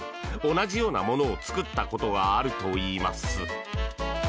同じようなものを作ったことがあるといいます。